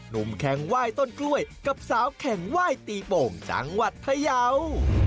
มแข่งไหว้ต้นกล้วยกับสาวแข่งไหว้ตีโป่งจังหวัดพยาว